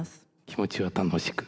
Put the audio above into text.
気持ちは楽しく。